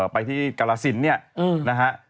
ไปที่แกม์ลาซินเนี่ยนะครับ